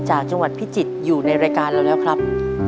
จากจังหวัดพิจิตรอยู่ในรายการเราแล้วครับ